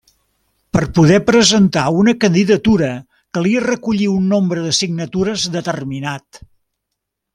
Per poder presentar una candidatura calia recollir un nombre de signatures determinat.